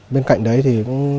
bên cạnh đấy thì